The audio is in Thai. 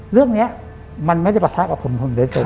เรื่องนี้มันไม่ได้ประสาทกับผมครับ